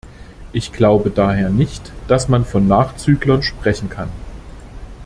Ich glaube daher nicht, dass man von Nachzüglern sprechen kann.